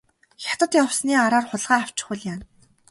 Хятад явсны араар хулгай авчихвал яана.